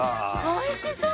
おいしそう！